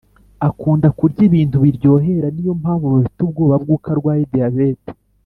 Akunda kurya ibintu biryohera niyo mpamvu bafite ubwoba bwuko arwaye diabette